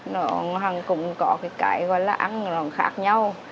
nó cũng có cái gọi là ăn khác nhau